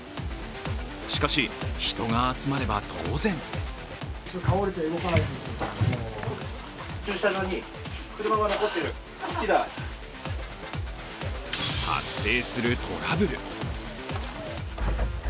しかし、人が集まれば当然発生するトラブル。